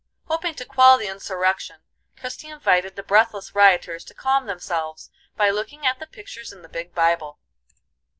Hoping to quell the insurrection Christie invited the breathless rioters to calm themselves by looking at the pictures in the big Bible.